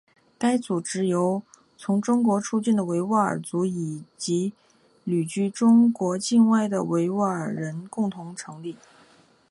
该组织由从中国出境的维吾尔族人以及旅居中国境外的维吾尔人共同成立。